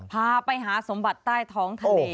พาไปหาสมบัติใต้ท้องทะเล